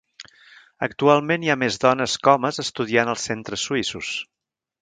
Actualment hi ha més dones que homes estudiant als centres suïssos.